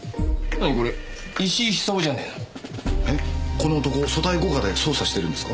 この男組対五課で捜査してるんですか？